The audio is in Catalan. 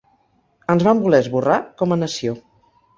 Ens van voler esborrar com a nació.